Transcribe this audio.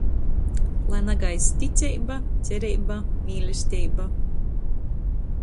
Lai nagaist ticeiba, cereiba, mīlesteiba!